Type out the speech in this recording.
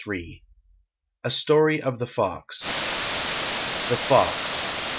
III A STORY OF THE FOX [The Fox.